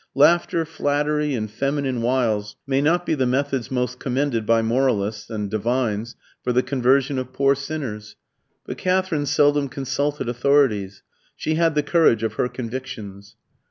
Laughter, flattery, and feminine wiles may not be the methods most commended by moralists and divines for the conversion of poor sinners; but Katherine seldom consulted authorities she had the courage of her convictions.